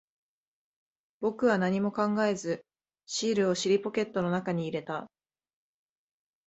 僕は何も考えず、シールを尻ポケットの中に入れた。